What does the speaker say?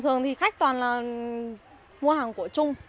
thường thì khách toàn là mua hàng của trung